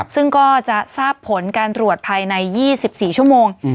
ซึ่งก็จะทราบผลการตรวจภายใน๒๔ชั่วโมง